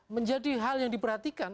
menjadi hal yang diperhatikan